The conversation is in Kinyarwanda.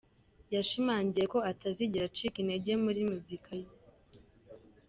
yashimangiye ko atazigera acika intege muri muzika ye.